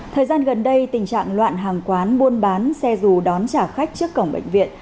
thời gian gần đây tình trạng loạn hàng quán buôn bán xe dù đón trả khách trước cổng bệnh viện